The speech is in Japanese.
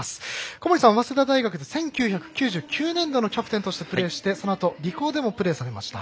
小森さんは早稲田大学で１９９９年度のキャプテンとしてプレーしてそのあとリコーでもプレーされました。